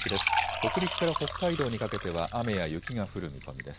北陸から北海道にかけては雨や雪が降る見込みです。